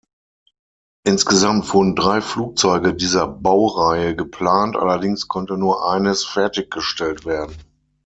Insgesamt wurden drei Flugzeuge dieser Baureihe geplant, allerdings konnte nur eines fertiggestellt werden.